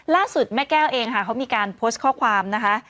แม่แก้วเองค่ะเขามีการโพสต์ข้อความนะคะ